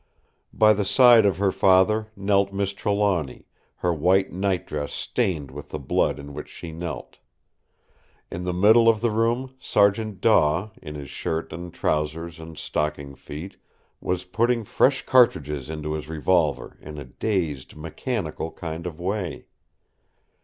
By the side of her father knelt Miss Trelawny, her white nightdress stained with the blood in which she knelt. In the middle of the room Sergeant Daw, in his shirt and trousers and stocking feet, was putting fresh cartridges into his revolver in a dazed mechanical kind of way.